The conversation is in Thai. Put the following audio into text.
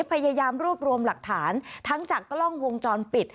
พยายามรวบรวมหลักฐานทั้งจากกล้องวงจรปิด